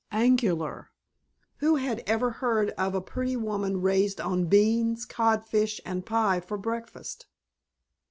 Angular. Who had ever heard of a pretty woman raised on beans, codfish, and pie for breakfast?